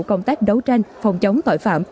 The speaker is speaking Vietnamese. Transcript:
công tác đấu tranh phòng chống tội phạm